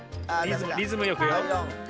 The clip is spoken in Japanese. リズムよくよ。